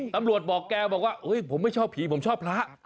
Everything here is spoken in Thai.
ตำรวจบอกแกว่าผมไม่ชอบผีผมชอบพระ